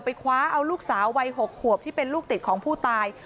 คว้าเอาลูกสาววัย๖ขวบที่เป็นลูกติดของผู้ตาย